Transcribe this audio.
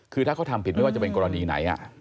คือถ้าเขาทำผิดไม่ว่าจะเป็นกรณีไหน